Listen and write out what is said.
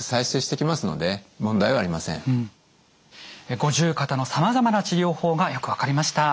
五十肩のさまざまな治療法がよく分かりました。